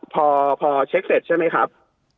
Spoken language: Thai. พอเช็คเสร็จใช่ไหมครับ